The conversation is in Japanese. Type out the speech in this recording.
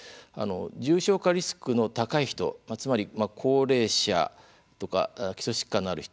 重症化リスクの高い人つまり高齢者とか基礎疾患のある人